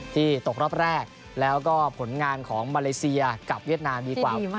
ตกรอบแรกแล้วก็ผลงานของมาเลเซียกับเวียดนามดีกว่า